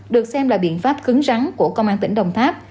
được xem là biện pháp cứng rắn của công an tỉnh đồng tháp